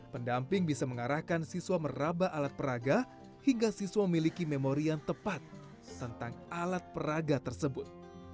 pendamping bisa mengarahkan siswa meraba alat peraga hingga siswa memiliki memori yang tepat tentang alat peraga tersebut